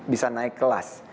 bisa naik kelas